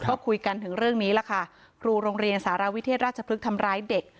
ก็คุยกันถึงเรื่องนี้ล่ะค่ะครูโรงเรียนสารวิเทศราชพฤกษ์ทำร้ายเด็ก